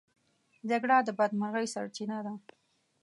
جګړه د بدمرغۍ سرچينه ده.